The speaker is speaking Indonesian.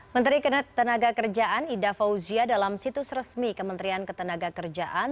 menteri ketenaga kerjaan ida fauzia dalam situs resmi kementerian ketenaga kerjaan